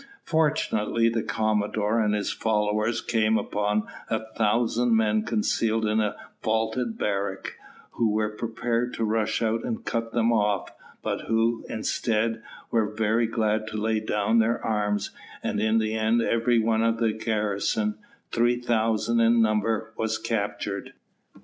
Fortunately the commodore and his followers came upon a thousand men concealed in a vaulted barrack, who were prepared to rush out and cut them off, but who, instead, were very glad to lay down their arms, and in the end every one of the garrison, three thousand in number, was captured.